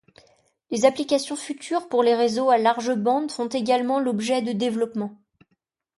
Les applications futures pour les réseaux à large bande font également l'objet de développements.